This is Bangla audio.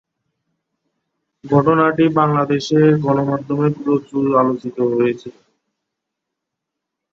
ঘটনাটি বাংলাদেশের গণমাধ্যমে প্রচুর আলোচিত হয়েছিল।